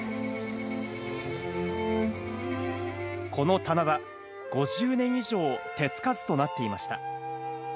この棚田、５０年以上、手つかずとなっていました。